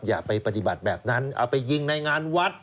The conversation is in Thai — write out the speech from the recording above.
อย่าไปปฏิบัติแบบนั้นเอาไปยิงในงานวัด